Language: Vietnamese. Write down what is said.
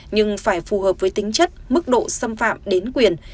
nhưng phải phù hợp với tính chất mức độ xâm phạm đến quyền